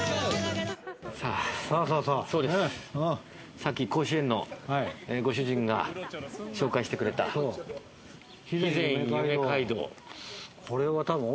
さっき甲子苑のご主人が紹介してくれた肥前夢街道。